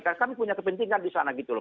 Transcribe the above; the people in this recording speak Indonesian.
karena kami punya kepentingan disana gitu loh